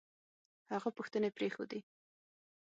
هغه پوښتنې پرېښودې